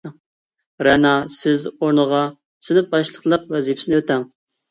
رەنا سىز ئورنىغا سىنىپ باشلىقلىق ۋەزىپىسىنى ئۆتەڭ!